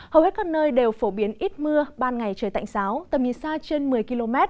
hầu hết các nơi đều phổ biến ít mưa ban ngày trời tạnh giáo tầm nhìn xa trên một mươi km